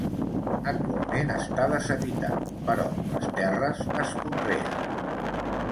Actualment està deshabitat, però les terres es conreen.